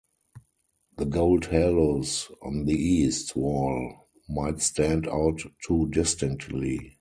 The gold halos on the east wall might stand out too distinctly.